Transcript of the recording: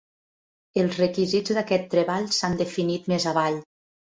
Els requisits d'aquest treball s'han definit més avall.